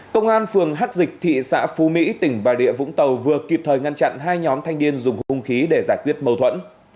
công an phường hắc dịch thị xã phú mỹ tỉnh bà địa vũng tàu vừa kịp thời ngăn chặn hai nhóm thanh niên dùng hung khí để giải quyết mâu thuẫn